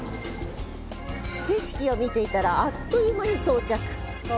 景色を見ていたら、あっという間に到着。